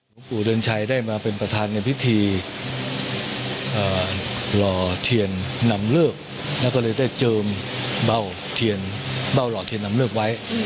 หลวงปู่เดือนชัยได้มาเป็นประธานในพิธีหลอดเทียนนำเลือกแล้วก็เลยได้เจิมเบาหลอดเทียนนำเลือกไว้